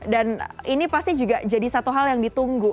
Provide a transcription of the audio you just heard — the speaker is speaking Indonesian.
dan ini pasti juga jadi satu hal yang ditunggu